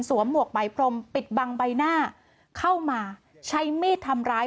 หมวกไหมพรมปิดบังใบหน้าเข้ามาใช้มีดทำร้าย